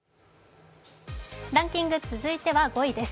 ランキング、続いては５位です。